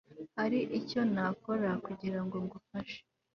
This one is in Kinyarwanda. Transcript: hari icyo nakora kugirango ngufashe